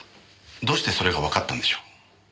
どうしてそれがわかったんでしょう？